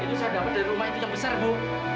itu saya dapat dari rumah itu yang besar bu